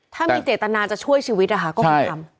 ถ้ามีเจตนาจะช่วยชีวิตนะคะก็คงทำ